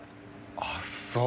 あっそう。